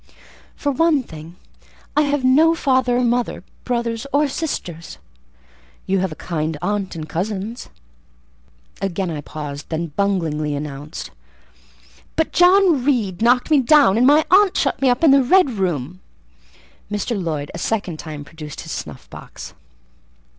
"For one thing, I have no father or mother, brothers or sisters." "You have a kind aunt and cousins." Again I paused; then bunglingly enounced— "But John Reed knocked me down, and my aunt shut me up in the red room." Mr. Lloyd a second time produced his snuff box.